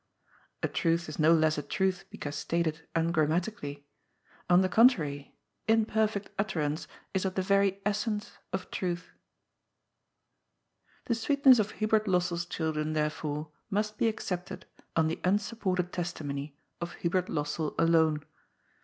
A truth is no less a truth because stated ungrammatically. On the contrary, imperfect utterance is of the very essence of truth. The sweetness of Hubert Lossell's children, therefore, must be accepted on the unsupported testimony of Hubert Lossell alone.